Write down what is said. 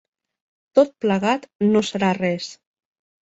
Tot plegat no serà res.